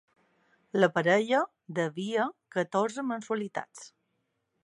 La parella devia catorze mensualitats.